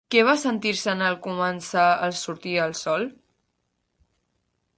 Què va sentir-se en començar a sortir el sol?